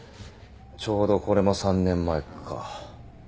ちょうどこれも３年前か。